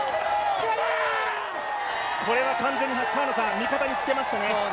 これは完全に味方につけましたね。